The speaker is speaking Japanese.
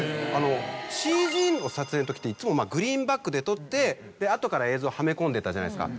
ＣＧの撮影のときっていつもグリーンバックで撮って後から映像をはめ込んでたじゃないですか。